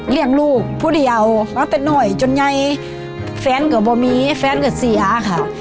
เลี่ยงลูกผู้เดียวมาเป็นหน่วยจนใยแฟนกับบ่อมีแฟนกับสี่อาค่ะ